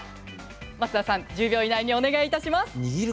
増田さん１０秒以内でお願いします。